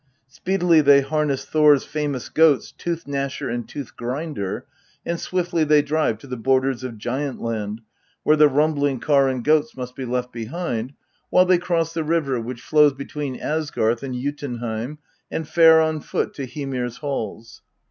Speedily they harness Thor's famous goats Tooth gnasher and Tooth grinder, and swiftly they drive to the borders of Giant land where the rumbling car and goats must be left behind, while they cross the river which flows between Asgarth and Jotunheim, and fare on foot to Hymir's halls.